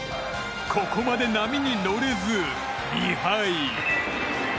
ここまで波に乗れず２敗。